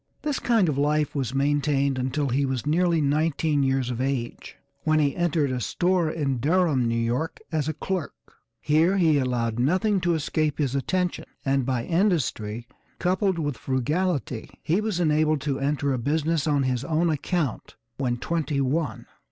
This kind of life was maintained until he was nearly nineteen years of age when he entered a store at Durham, New York, as a clerk. Here he allowed nothing to escape his attention and, by industry, coupled with frugality, he was enabled to enter a business on his own account when twenty one.